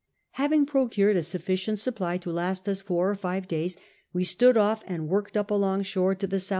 Having procured a sufficient supply to last us four or five days, we stood off and worked up along shore to the S.E.